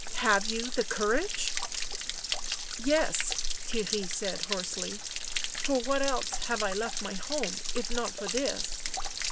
" Have you the courage?" " Yes," said Theirry hoarsely. " For what else have I left my home if not for this?"